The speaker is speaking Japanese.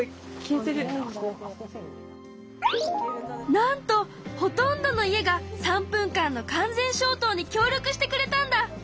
なんとほとんどの家が３分間の完全消灯に協力してくれたんだ！